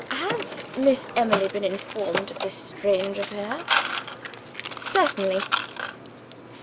"Has Miss Emily been informed of this strange affair?" "Certainly!"